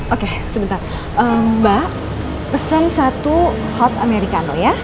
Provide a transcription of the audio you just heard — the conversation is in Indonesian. oke sebentar mbak pesan satu hot americano ya